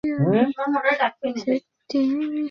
যাহারা সমাজে বাস করে, আমি তাহাদের কথা বলিতেছি।